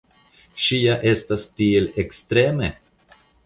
Ŝi ja estas tiel ekstreme?